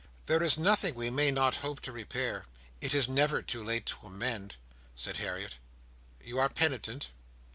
"There is nothing we may not hope to repair; it is never too late to amend," said Harriet. "You are penitent?"